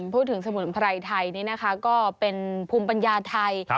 พูดถึงสมุนไพรไทยนี่นะคะก็เป็นภูมิปัญญาไทย